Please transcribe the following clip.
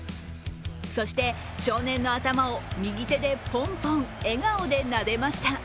そして少年の頭を右手でポンポン笑顔でなでました。